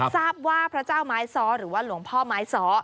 ทราบว่าพระเจ้าไม้ซ้อหรือว่าหลวงพ่อไม้ซ้อ